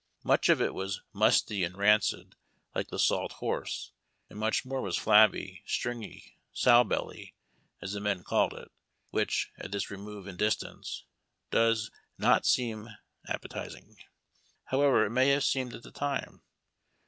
Much of it was musty and rancid, like the salt horse, and much more was flabby, stringy, "sow belly," as the men called it, which, at this remove in distance, does not seem appetizing, however it may have seemed at the time.